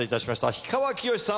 氷川きよしさん